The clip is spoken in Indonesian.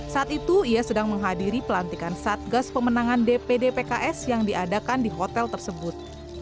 saat itu ia sedang menghadiri pelantikan satgas pemenangan dpd pks yang diadakan di hotel tersebut